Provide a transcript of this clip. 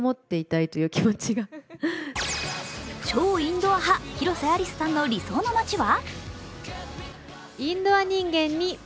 超インドア派・広瀬アリスさんの理想の町は？